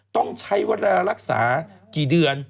ต้องใช้เวลารักษากี่เดือน